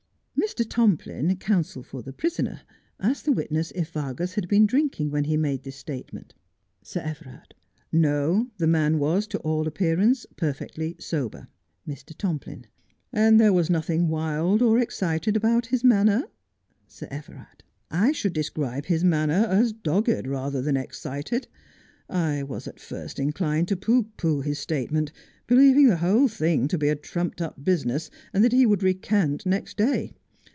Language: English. Mr. Tomplin, counsel for the prisoner, asked the witness if Vargas had been drinking when he made this statement. Sir Everard : No, the man was, to all appearance, perfectly sober. Mr. Tomplin : And there was nothing wild or excited about his manner I Sir Everard : I should describe his manner as dogged rather than excited. I was at first inclined to pooh pooh his statement, believing the whole thing to be a trumped up business, and that he would recant next day.